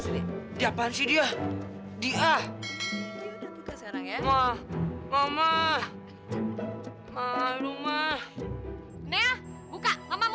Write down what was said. lihat dia udah jadi anak yang baik